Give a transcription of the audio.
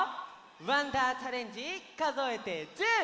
「わんだーチャレンジかぞえて１０」！